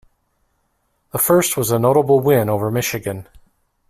The first was a notable win over Michigan.